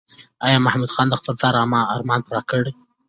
ایا محمود خان د خپل پلار ارمان پوره کړ؟